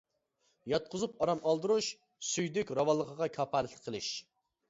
ياتقۇزۇپ ئارام ئالدۇرۇش، سۈيدۈك راۋانلىقىغا كاپالەتلىك قىلىش.